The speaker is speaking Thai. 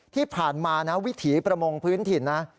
ที่ผ่านมานะวิถีประมงพื้นถิ่นนะ